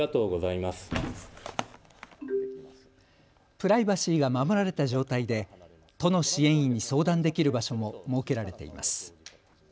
プライバシーが守られた状態で都の支援員に相談できる場所も設けられています。